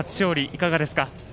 いかがですか？